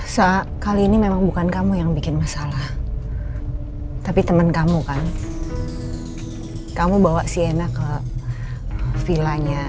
sa kali ini memang bukan kamu yang bikin masalah tapi temen kamu kan kamu bawa sienna ke vilanya